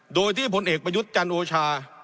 โดยที่ผลเอกประยุทธ์จันโอชา